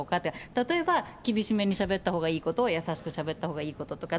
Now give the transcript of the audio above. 例えば、厳しめにしゃべったほうがいい子と、優しくしゃべったほうがいい子とか。